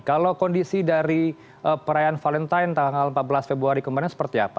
kalau kondisi dari perayaan valentine tanggal empat belas februari kemarin seperti apa